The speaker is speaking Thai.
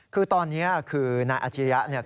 คือตอนนี้คือนายอัจฉริยะ